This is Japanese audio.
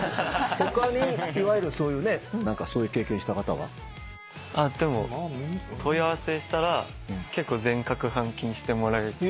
他にいわゆるそういう経験した方は？でも問い合わせしたら結構全額返金してもらえたり。